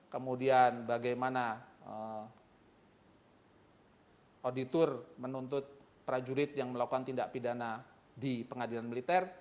kemudian bagaimana auditor menuntut prajurit yang melakukan tindak pidana di pengadilan militer